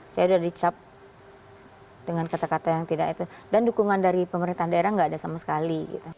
saya sudah dicap dengan kata kata yang tidak itu dan dukungan dari pemerintahan daerah nggak ada sama sekali